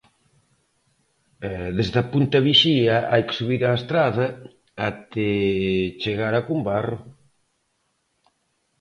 Desde a punta Vixía hai que subir á estrada até chegar a Combarro.